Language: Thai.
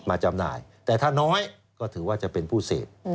จำหน่ายแต่ถ้าน้อยก็ถือว่าจะเป็นผู้เสพ